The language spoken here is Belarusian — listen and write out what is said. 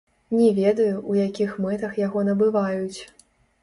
Не ведаю, у якіх мэтах яго набываюць.